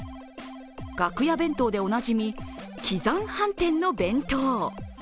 楽屋弁当でおなじみ、喜山飯店の弁当。